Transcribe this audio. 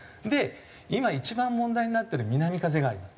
今一番問題になってる南風がありますね。